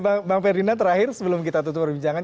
bang ferdinand terakhir sebelum kita tutup perbincangan